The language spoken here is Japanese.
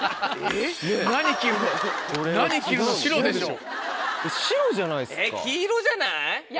えぇ黄色じゃない？